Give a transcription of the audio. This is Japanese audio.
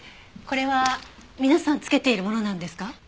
これは皆さんつけているものなんですか？